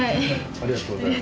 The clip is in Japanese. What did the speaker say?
ありがとうございます。